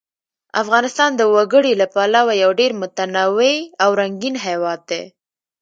افغانستان د وګړي له پلوه یو ډېر متنوع او رنګین هېواد دی.